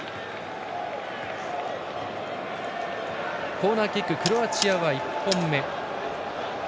コーナーキッククロアチアは１本目。